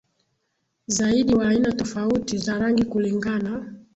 zaidi wa aina tofauti za rangi kulingana